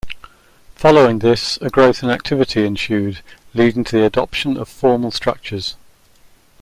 Following this a growth in activity ensued, leading to the adoption of formal structures.